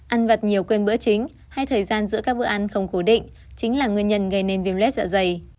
ăn vật nhiều quên bữa chính hay thời gian giữa các bữa ăn không cố định chính là nguyên nhân gây nên viêm lết dạ dày